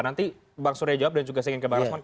nanti bang surya jawab dan juga saya ingin ke bang rasman